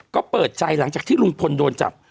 ก็เปิดใจหลังจากที่ลุงพลโดนจับ